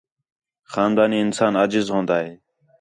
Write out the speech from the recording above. خاندانی انسان عاجز ہون٘دا ہے